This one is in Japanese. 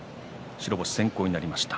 白星先行となりました。